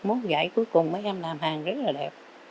mốt dạy cuối cùng mấy em làm hàng rất là đẹp